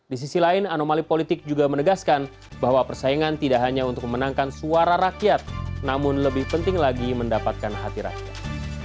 di sisi lain anomali politik juga menegaskan bahwa persaingan tidak hanya untuk memenangkan suara rakyat namun lebih penting lagi mendapatkan hati rakyat